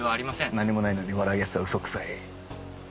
何もないのに笑う奴は嘘くさい。